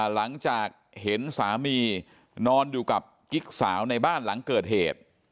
หลังจากเห็นสามีนอนอยู่กับกิ๊กสาวในบ้านหลังเกิดเหตุ